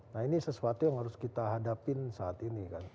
nah ini sesuatu yang harus kita hadapin saat ini kan